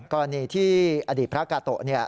ก็อันนี้ที่อดีตพระกาโต